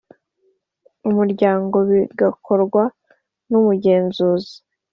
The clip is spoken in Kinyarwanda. umuryango bigakorwa n umugenzuzi